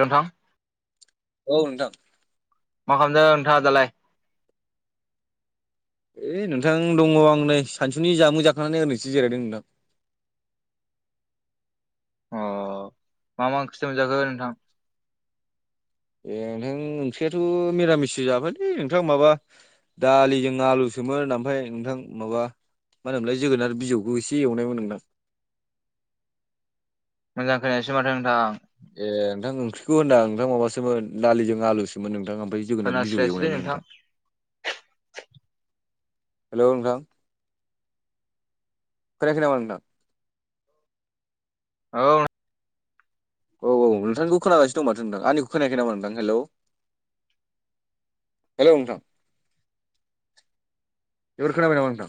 नोंथां औ नोंथां मा खालामदों नोंथाङा दालाय ओइ नोंथां दङ आं नै सानजुनि जामु जाखांनानै ओरैसो जिरायदों नोंथां मा मा ओंख्रि मोनजाखो नोंथां ए नोंथां ओंख्रियाथ' निरामिस जाबायलै नोंथां माबा दालिजों आलुजों सोमोन ओमफ्राय नोंथां माबा मा होनोमोनलाय जोगोनार बिजौखौ एसे एवनायमोन नोंथां मोजां खोनायसै माथो नोंथां ए नोंथां ओंख्रिखौ होनदां नोंथां माबासोमोन दालिजों आलुसोमोन नोंथां ओमफ्राय जोगोनार बिजौ एवनायमोन नोंथां हेल' नोंथां खोनायाखै नमा नोंथां औ औ नोंथांनिखौ खोनागासिनो दं माथो नोंथां आंनिखौ खोनायाखै नामा नोंथां हेलौ हेलौ नोंथां इबार खोनाबाय नमा नोंथां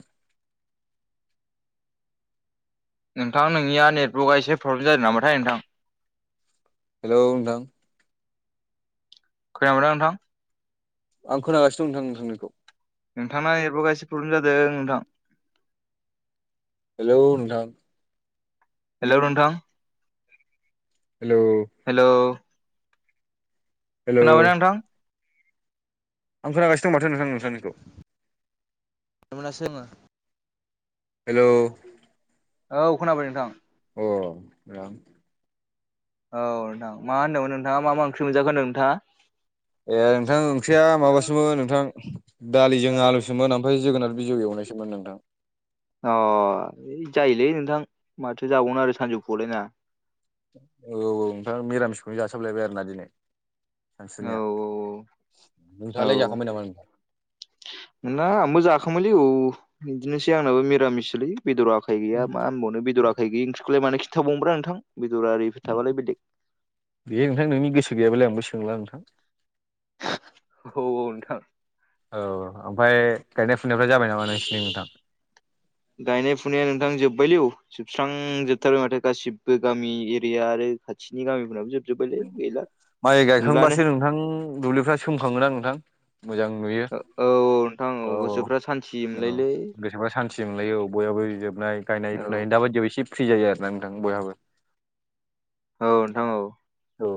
नोंथां नोंनिया नेटवर्कआ एसे प्रब्लेम जादों नामाथाय नोंथां हेलौ नोंथां खोनाबायदा नोंथां आं खोनागासिनो दं नोंथां नोंनिखौ नोंथां ना नेटवर्क आ एसे प्रब्लेम जादों नोंथां हेलौ नोंथां हेलौ नोंथां हेल'। हेल' हेलौ खोनाबाय ना नोंथां। आं खोनागासि दं माथो नोंथांनिखौ [unintelligible] [unintelligible] हेल' औ खोनाबाय नोंथां। अ र औ नोंथां मा होन्दोंमोन नोंथाङा मा मा ओंख्रि मोनजाखो होनदों नोंथाङा ए नोंथां ओंख्रिया माबासोमोन नोंथां दालिजों आलुसोमोन ओमफ्राय जोगोनार बिजौ एवनायसोमोन नोंथां अ ओइ जायोलै नोंथां माथो जाबावनो आरो सानजौफुलायना औ नोंथाङा निरामिसखौनो जासाबलायबाय आरोना दिनै औ सानसुनिया औ नोंथाङालाय औ जाखांबाय नामा नोंथां ना आंबो जाखोमोनलै औ बिदिनोसै आंनाबो मिरामिसोलै बेदराखै गैया मा होनबाव बेदरायै ओंख्रिखौलाय मानो खिन्थावब्रा नोंथां बेदरारिफोर थाबालाय बेलग बेे नोंथां नोंनि गैयाबालाय आंबो सोंला नोंथां औ नोंथां औ ओमफ्राय गायनाय फुनायफ्रा जाबाय नामा नोंसिनि नोंथां गायनाय फुनाया नोंथां जोब्बायलै औ जोबस्रांजोबथारबाय माथो गासिबो गामि एरिया आरो खाथिनि गामिफोराबो जोबार माइ गायखांबासो नोंथां दुब्लिफ्रा सोमखाङोना नोंथां मोजां नुयो औ नोंथां गोसोफ्रा सान्थि मोनलायोलै एबा सान्थि मोनलायो औ बयहाबो जोबनाय गायनाय औ फुनाय दाबायदियावबो एसे फ्रि जायो आरो आर ना नोंथां बयहाबो औ नोंथां औ औ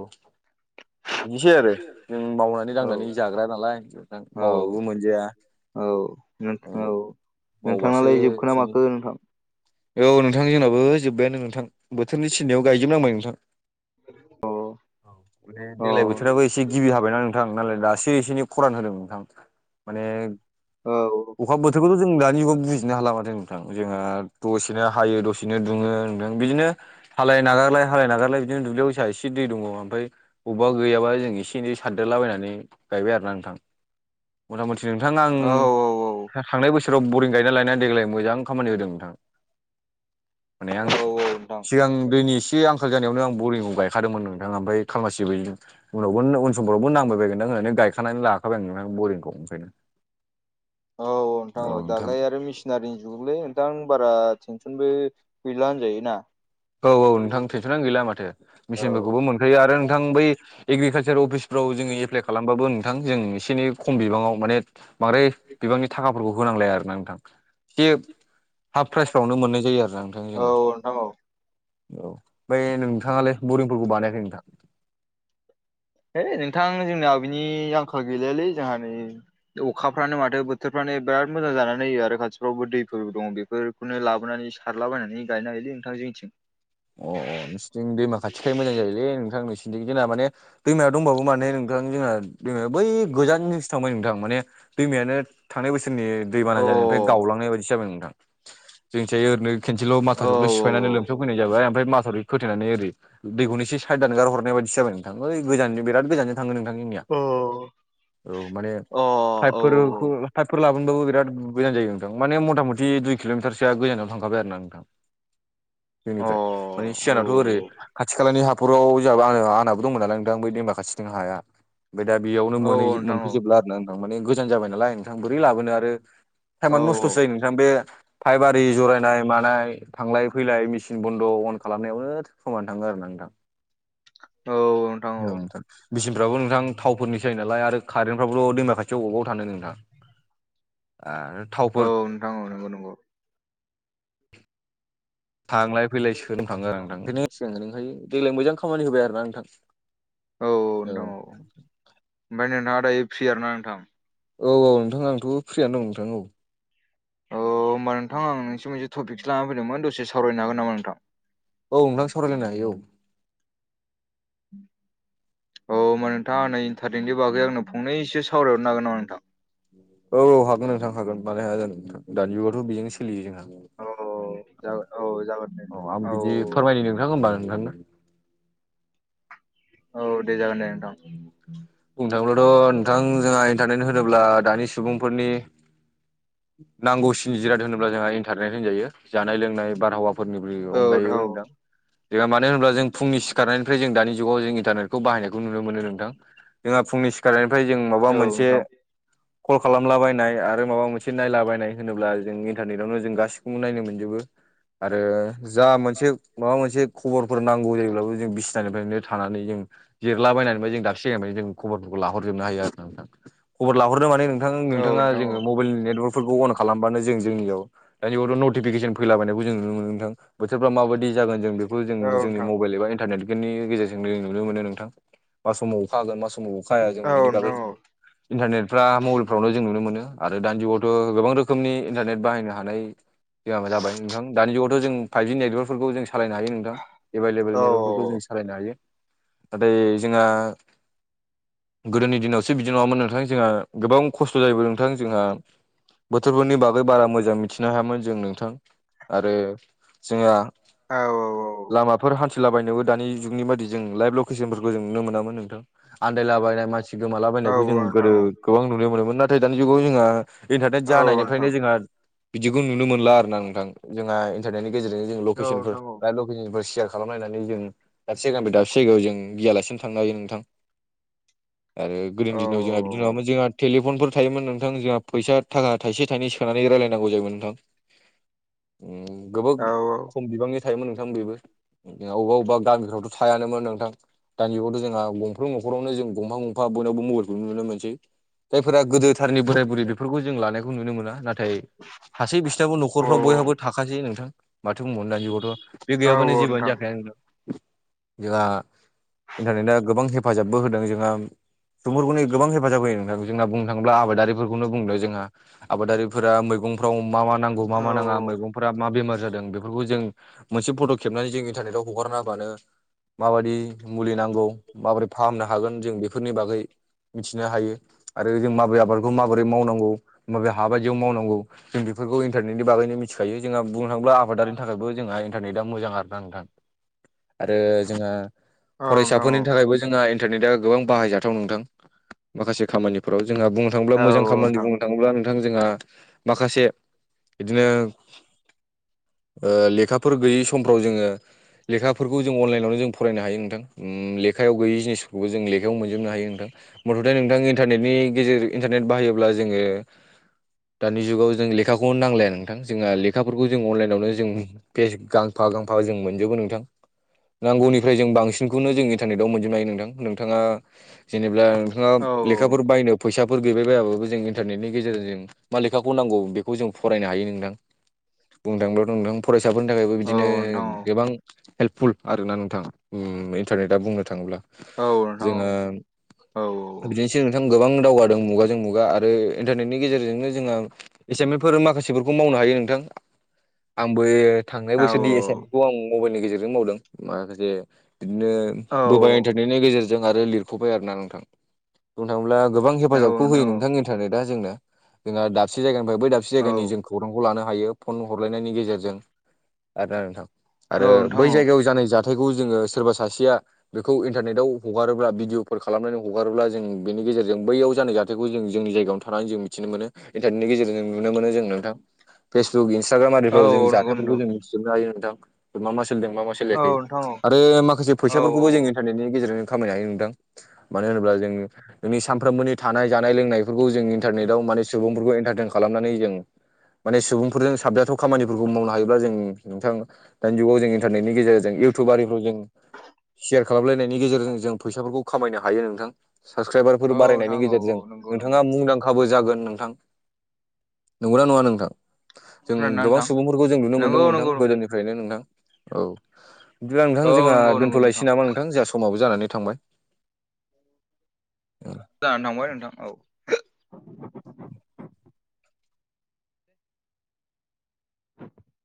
बिनोसै आरो जों मावनानै औ दांनानै जाग्रा नालाय नोंथां औ मावाबाबो मोनजाया औ औ मावबासो नोंथाङालाय जोबखोना एसेनि माखो नोंथां औ नोंथां जोंनाबो जोब्बायानो नोंथां बोथोरनि थिननायाव गायजोबनांबाय नोंथां औ औ माने देग्लाय बोथोराबो एसे गिबि हाबायना नोंथां नालाय दासो एसे एनै खरान होदों नोंथां माने औ। अखा बोथोरखौथ' जों दानि जुगाव बुजिनो हाला माथों नोंथां जोंहा दसेनो हायो दसेनो दुङो बिदिनो हालाय नागारलाय हालाय नागारलाय बिदिनो दुब्लियाव फैसा एसे औ ओमफ्राय बबेबा गैयाबा जों एसे एनै सारदेरलाबायनानै गायबाय आरोना नोंथां मथा मथि नोंथां आं औ औ औ थांनाय बोसोराव बरिं गायना लानाया देग्लाय मोजां खामानि होदों नोंथां माने औ आं औ नोंथां सिगां दैनि एसे आंखाल जानायावनो आं बरिंखौ गाय खादोंमोन नोंथां ओमफ्राय खालामासिबोै उनावबो उन समफोरावबो नांबायगोन ना होननानै गायखानानै लाखाबाय आं नोंथां बरिंखौ ओंखायनो औ नोंथां औ दालाय आरो मेसिन सिनारिनि जुगलै नोंथां बारा टेनसनबो गैला होजायोना औ औ नोंथां थेनसननानै गैला माथो मिेचिनफोरखौबो मोनखायो आरो नोंथां बै एग्रिकालसार अफिसफ्राव जोङो एप्लाइ खालामबाबो नोंथां जों एसे एनै खम बिबाङाव माने बांद्राय बिबांनि थाखाफोरखौ होनांलाया आरोना नोंथां [unintelligible] हाफ प्राइसफ्रावनो मोननाय जायो आरो नोंथां औ जोङो। नोंथां औ औ बे नोंथाङालाय बुरिंफोरखौ बानायाखै नोंथां? है नोंथां जोंनाव बेनि आंखाल गैलायालै जोंहा नै अखाफ्रानो माथो बोथोरफ्रानो बोराद मोजां जानानै होयो खाथिफ्रावबो दैफोर दङ बेफोर खौनो लाबोनानै सारलाबायनानै गायनो हायोलै नोंथां जोंथिं। अ नोंसिथिं दैमा खाथिखाय मोजां जायोलै नोंथां नोंसि [unintelligible] जोंना माने दैमायाव दंबाबो माने नोंथां जोंना दैमाया बै गोजानजों थांबाय नोंथां माने दैमायानो थांनाय बोसोरनि दै अ बाना जानाय फाय औ गावलांनाय बायदिसो जाबाय नोंथां जोंनिथिहाय ओरनो खेनसेल' औ माथावरिखौल' सिफायनानै लोमसावफैनाय जाबाय ओमफ्राय माथावरि खोथेनानै ओरै दैखौनो एसे साइद दानगार हरनाय बायदिसो जाबाय नोंथां बै गोजान बिराद गोजानजों थाङो नोंथां जोंनिया औ औ माने अ अ औ पाइपफोरखौ पाइपफोर लाबोनबाबो बिराद गोजान जायो नोंथां माने मथा मथि दुइ किल'मिटारसो जा गोजानाव थांखाबाय आरोना नोंथां। औ जोंनिफ्राय माने अ औ सिगानावथ' ओरै खाथि खालानि हाब पराव जाबा आं आनाबो दंमोन नालाय नोंथां बै दैेमा खाथिथिं हाया ओमफाय दा बेयावनो औ औ मोनहैजोब नोंथां औ मोनफैजोबला आरो ना नोंथां माने गोजान जाबाय नालाय नोंथां बोरै लाबोनो आरो औ टाइमानो नस्थ'सो औ जायो नोंथां बे फाइफयारि ज'रायनाय मानाय थांलाय फैलाय मिसि बन्द' अन खालामनायावनो समानो थाङो आरो ना नोंथां। औ नोंथां। औ नोंथां। बिसिनफ्राबो नोंथां थावफोरनिसो नालाय आरो खारेन्टफ्राबोथ' दैमा खाथियाव अबाव थानो नोंथां। आरो थाव औ नोंथां औ नंगौ नंगौ। थांलाय फैलाय सोनो थाङो आरो नोंथां बेनो [unintelligible] देग्लाय मोजां खामानि होबाय आरो ना नोंथां। औ नोंथां औ ओमफाय नोंना दायो फ्रि आरोना नोंथां? औ औ नोंथां आंथ' फ्रियानो दं नोंथां औ। अ होमबा नोंथां आं नोंसिम मोनसे टपिकसो लाना फैदोंमोन दसे सावरायनो हागोन नामा नोंथां? औ नोंथां सावरायलायनो हायो औ। औ होमबा नोंथाङा आंनो इन्टारनेटनि बागै आंनो फंनैसो सावरायहरनो हागोन नामा नोंथां? औ हागोन नोंथां हागोन मानो हाया जानो नोंथां दानि जुगावथ' बेजोंनो सोलियो जोंहा। नोंथां औ जागोन औ जागोन दे औ नोंथां आं बिदि फोरमायनो नोंथां होमबा नोंथांनो औ दे जागोन दे नोंथां। बुंनो थाङोलाथ' नोंथां जोंहा इन्टारनेट होनोब्ला दानि सुबुंफोरनि नांगौसिनि जिराद होनोब्ला जोंहा इन्टारनेट होनजायो जानाय लोंनाय बारहावा फोरनिफ्रि औ औ अनगायैबो नोंथां। जोहा मानो होनोब्ला जों फुंनि सिखारनायनिफ्राय जों दानि जुगाव जों इन्टारनेटखौ बायनायखौ नुनो मोनो नोंथां। जोंहा फुंनि सिखारनिफ्राय जों माबा औ मोनसे नोंथां कल खालामला बायनाय आरो माबा मोनसे नायलाबायनाय होनोब्ला जों इन्टारनेटावनो जों गासिखौबो नायनो मोनजोबो। आरो जा मोनसे माबा मोनसे खबरफोर नांगौ जायोब्लाबो जों बिस नानिफ्रायनो थानानै जों जिरलाबायनानैबो जों दाबसे जायगानिफायनो जों खबरफोरखौ लाहरजोबनो हायो आरो नोंथां। खबर लाहरनो माने नोंथां औ नोंथाङा नोंथां औ जोङो नोंथां मबाइलनि नेटवर्कफोरखौ अन खालामबानो जों जोंनियाव दानि बेयावथ' नटिफिकेसन फैलाबायनायखौ जों नुनो मोनों नोंथां बोथोरफ्रा माबादि जागोन जों बेखौ बेखौ औ जों जोंनि मबाइल एबा इन्टारनेटनि गेजेरजोंनो जों नुनो मोनो नोंथां मा समाव अखा हागोन मा समाव अखा हाया जों बेनि बागै नोंथां इन्टारनेटफ्रा मबाइलफ्रावनो जों नुनो मोनो आरो दानि जुगावथ' गोबां रोखोमनि इन्टारनेट बाहायनो हानाय [inaudible] जाबाय नोंथां दानि जुगावथ' जों फाइफजि नेटवर्कफोरखौ जों सालायनो हायो नोंथां एभेलेबेल औ नेटवर्कफोरखौ जों सालायनो हायो नाथाय जोंहा गोदोनि दिनावसो बिदि नङामोन नोंथां जोंहा गोबां खस्थ' जायोमोन नोंथां जोंहा बोथोरफोरनि बागै बारा मोजां मिथिनो हायामोन जों नोंथां आरो जोंहा औ औ औ। बेफोर हान्थिलाबायनोबो दानि जुगनि बादि जों लाइभ लकेसनफोरखौ जों नुनो मोनामोन नोंथां आन्दायलाबायनाय मानसि गोमाला औ बायनायखौ जों नोंथां गोदो औ नोंथां गोबां नुनो मोनोमोन नाथाय दानि जुगाव जोंहा इन्टारनेट औ जानायनि ओंखायनो नोंथां जोंहा बिदिखौ नुनो मोनला आरोना नोंथां जोंहा इन्टारनेटनि गेजेरजों जों औ ल'केसनफोर लाइफ ल [unintelligible] सियार खालामलायनानै जों दाबसे जायगानिफ्राय दाबसे जायगायाव जों गियालासिनो थांनो हायो नोंथां। आरो गोदोनि दिनाव जोंहा औ जोंहाबो जोंहा टेलिफनफोर थायोमोन नोंथां जोंहा फैसा थाखा थाइसे थाइनै सोनानै रायलायनांगौ जायोमोन नोंथां। [inaudible] उम गोबाब औ औ खम बिबांनि थायोमोन नोंथां बेबो अबा अबबा गामिफ्रावथ' थायानोमोन नोंथां दानि जुगावथ' जोंहा बुं बयबो न'खरावनो जों गंफां गंफा बयनावबो मबाइलखौनो नुनो मोनसै। जायफोरा गोदो गोदायथारनि बोराय बुरै बेफोरखौ जों लानायखौ नुनो मोना नाथाय थासै बिसिनाबो औ न'खरफ्राव बयहाबो थाखासै नोंथां। माथो बुंबावनो दानि जुगावथ' बे औ गैयाबानो औ जेबोआनो जाखाया नोंथां जोंहा इन्टारनेटआ गोबां हेफाजाबबो होदों जोंहा [unintelligible] गोबां हेफाजाब होयो नोंथां जोंना बुंनो थाङोब्ला आबादारिफोरखौनो बुंदों जोंहा आबादारि फोरा मैगंफ्राव मा मा नांगौ मा औ मा नाङा मैगंफोरा मा बेमार जादों बेफोरखौ जों मोनसे फट' खेबनानै जों इन्टारनेटआव हगारना होबानो माबादि मुलि नांगौ माबोरै फाहामनो हागोन जों बेफोरनि बागै मिथिनो हायो आरो जों माबै आबादखौ माबोरै मावनांगौ माबे हा बायदियाव मावनांगौ जों बेफोरखौ इन्टारनेटनि बागैनो मिथिखायो जोंहा बुंनो थाङोब्ला आबादारिनि थाखायबो जोंहा इनटारनेटा मोजां आरो ना नोंथां आरो जोंहा औ फरायसाफोरनि नोंथां थाखायबो जोंहा इन्टारनेटआ गोबां बाहायजाथाव नोंथां माखासे खामानिफोराव जोंहा बुंनो थाङोब्ला मोजां खामानि बुङो नो थाङोब्ला नोंथां जोंहा माखासे बिदिनो ओ लेखाफोर गैयै समफ्राव जोङो लेखाफोरखौ जों अनलाइनावनो जों फरायनो हायो नोंथां ओ उम ले खायाव गैयि जिनिसखौबो जों लेखायाव मोनजोबनो हायो नोंथां। मथथे नोंथां इन्टारनेटनि गेजेर इन्टारनेट बाहायोब्ला जोङो दानि जुगाव जों लेखाखौनो नांलाया नोंथां जोंहा लेखाफोरखौ जों अनलाइनावनो जों फेस गांफा गांफा जों मोनजोबो नोंथां नांगौनिफ्राय जों बांसिनखौनो जोंनि इन्टारनेटव मोनजोबनो हायो नोंथां नोंथाङा जेनेब्ला नोंथाङा औ लेखाफोर बायनो फैसाफोर गैबाय बायाबाबो जों इन्टारनेटनि गेजेरजों मा लेखाखौ नांगौ बेखौ जों फरायनो हायो नोंथां। बुंनो थांब्लाथ नोंथां फरायसाफोरनि थाखायबो औ बिदिनो नोंथां गोबां हेल्पफुल आरोना नोंथां उम इन्टारनेट टा बुंनो थाङोब्ला औ जोंङो औ नोंथां औ ‌ बिदिनोसै नोंथां गोबां दावगादों मुगाजों मुगा आरो इन्टारनेटनि गेजेरजोंनो जोंहा एसाइमेस फोर माखासेफोरखौ मावनो हायो नोंथां आंबो थांनाय बोसोरनि एसाइनमेन्खौ आं मबाइलनि गेजेरजों मावदों माखासे बिदिनो बायार। बेनि गेजेरजों आरो लिरख'बाय आरो ना नोंथां बुंनो थाङोब्ला गोबां हेफाजाबखौ होयो नोंथां। इन्टारनेटआ जोंना जोंहा दाबसे जायगानिफ्राय बै दाबसे औ जायगानि जों खौरांखौ लानो हायो। फन हरलायनायनि गेजेरजों आरोना नोंथां आरो औ बै जायगायाव जानाय जा जाथायखौ जोङो सोरबा सासे बेखौ इन्टारनेटाव हगारोब्ला भिडिअफोर खालामनानै हगारोब्ला जों बेनि गेजेरजों बैयाव जानाय जाथायखौ जों जोंनि जानि फ्राय जों मिथिनो मोनो इन्टारनेटनि गेजेरजों नुनो मोनो जों नोंथां। फेसबुक इन्सटाग्राम औ नोंथां औ आरिफ्राव जों औ नोंथां औ नंगौ जाथायफोरखौ नंगौ जों मिथिजोबनो हायो नोंथां मा-मा सोलिदो मा-मा औ सोलिया नोंथां औ आरो माखासे औ फैसा फोरखौ इटारनेटनि गेजेरजों खामायनो हायो नोंथां मानो होनोब्ला जों। जोंनि सानफ्रोमबोनि थानाय जानाय लोंनायफोरखौ जों इन्टारनेटाव माने सुबुंफोरखौ इन्टारटेन खालामनानै जों माने सुबुंफोरजों साबजाथ' खामानिफोरखौ मावनो हायोब्ला जों नोंथां दानि जुगाव जोंनि इन्टारनेटनि गेजेरजों इउटुबारिफ्राव जों सियार खालामलायनायनि गेजेरजों जों फैसाफोरखौ खामायनो हायो आरो नोंथां। साबसक्राइबारफोर औ बारायनायनि नोंथां औ औ गेजेरजों नंगौ नंगौ नोंथाङा मुंदां दांखाबो जागोन नोंथां नंगौना नङा नोंथां। जों खोनादोंना गोबां नोंथां सुबुंफोरखौ जों नुनो मोनदों नंगौ नोंथां नंगौ गोदोनिफ्रायनो नोंथां औ। बिदिब्ला औ नोंथां जोंहा नंगौ नंगौ दोनथ'लायसै नामा नोंथां जोंहा समाबो जानानै थांबाय। दा नां औ। [inaudible]